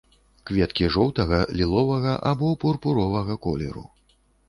Кветкі жоўтага, ліловага або пурпуровага колеру.